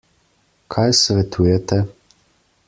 Kaj svetujete?